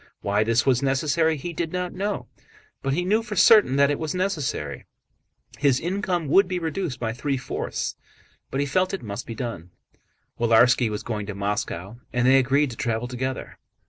Why this was necessary he did not know, but he knew for certain that it was necessary. His income would be reduced by three fourths, but he felt it must be done. Willarski was going to Moscow and they agreed to travel together.